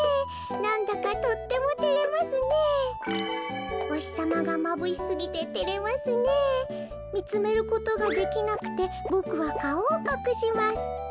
なんだかとってもてれますねえおひさまがまぶしすぎててれますねえみつめることができなくてボクはかおをかくします